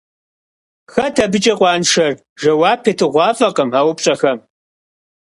Хэт абыкӀэ къуаншэр? Жэуап етыгъуафӀэкъым а упщӀэхэм.